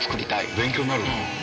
勉強になるな。